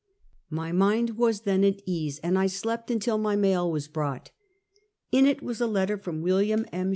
My mind was then at ease, and 186 Half a CENXiriiT. I slept until my mail was brought. In it was a letter from William M.